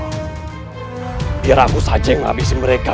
agar aku saja yang menghabisi mereka